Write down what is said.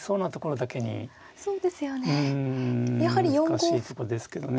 難しいとこですけどね。